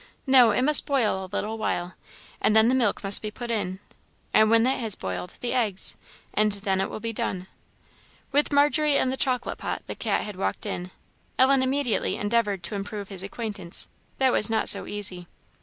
"No, it must boil a little while, and then the milk must be put in, and when that has boiled, the eggs and then it will be done." With Margery and the chocolate pot the cat had walked in. Ellen immediately endeavoured to improve his acquaintance; that was not so easy.